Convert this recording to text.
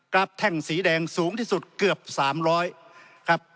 ราฟแท่งสีแดงสูงที่สุดเกือบ๓๐๐ครับ